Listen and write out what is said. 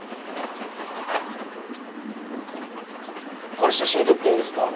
これ写真撮っていいですか？